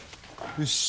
よし。